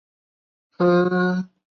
以下均为当地时间为准。